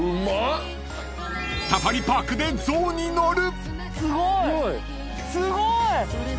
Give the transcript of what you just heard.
［サファリパークで象に乗る］